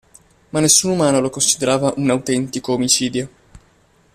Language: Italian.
Ma nessun umano lo considerava un autentico omicidio.